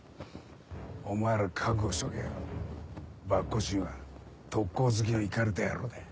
お前ら覚悟しとけよ縛虎申は特攻好きのイカれた野郎だ。